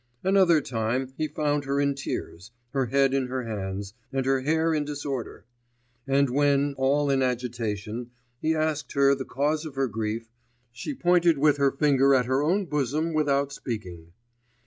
Another time he found her in tears, her head in her hands, and her hair in disorder; and when, all in agitation, he asked her the cause of her grief, she pointed with her finger at her own bosom without speaking.